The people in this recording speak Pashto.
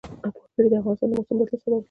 وګړي د افغانستان د موسم د بدلون سبب کېږي.